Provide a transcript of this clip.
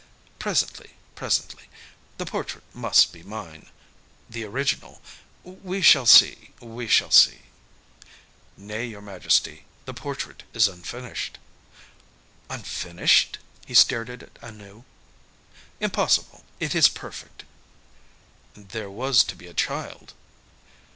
"Presently, presently. The portrait must be mine. The original We shall see we shall see." "Nay, your Majesty, the portrait is unfinished." "Unfinished?" He stared at it anew. "Impossible. It is perfect." "There was to be a child."